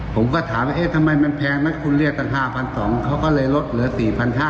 ผมก็ถามเอ๊ะทำไมมันแพงแล้วคุณเรียกว่า๕๒๐๐บาทเขาก็เลยลดเหลือ๔๕๐๐บาท